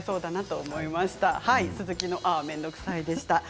「鈴木のあーめんどくさい」でした。